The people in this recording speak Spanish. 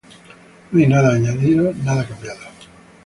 No hay nada añadido, nada cambiado.